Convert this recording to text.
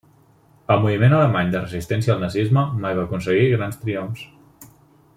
El moviment alemany de resistència al nazisme mai va aconseguir grans triomfs.